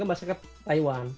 dan juga masyarakat taiwan